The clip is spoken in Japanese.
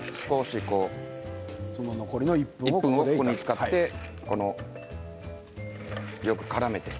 残りの１分はここで使ってよくからめて。